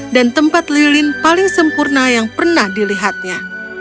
dan tempat lilin paling sempurna yang pernah dilihatnya